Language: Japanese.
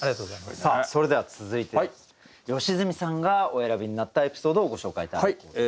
さあそれでは続いて良純さんがお選びになったエピソードをご紹介頂きたいと思います。